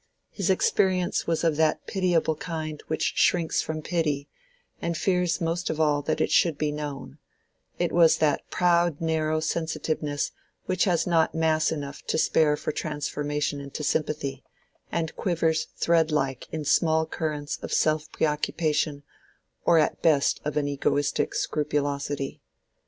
His experience was of that pitiable kind which shrinks from pity, and fears most of all that it should be known: it was that proud narrow sensitiveness which has not mass enough to spare for transformation into sympathy, and quivers thread like in small currents of self preoccupation or at best of an egoistic scrupulosity.